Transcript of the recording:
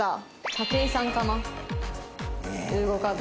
武井さんかな。